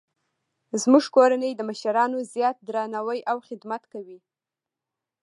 زموږ کورنۍ د مشرانو زیات درناوی او خدمت کوي